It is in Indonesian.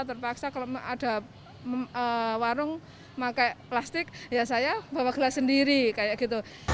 terpaksa kalau ada warung pakai plastik ya saya bawa gelas sendiri kayak gitu